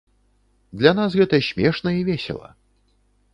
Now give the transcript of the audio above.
Для нас гэта смешна і весела.